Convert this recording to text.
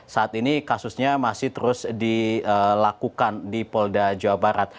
saat ini kasusnya masih terus dilakukan di polda jawa barat